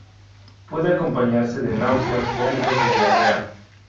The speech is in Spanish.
Puede acompañarse de náuseas, vómitos y diarrea.